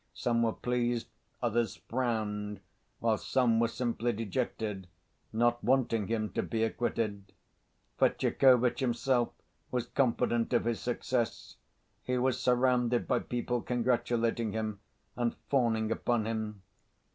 Some were pleased, others frowned, while some were simply dejected, not wanting him to be acquitted. Fetyukovitch himself was confident of his success. He was surrounded by people congratulating him and fawning upon him.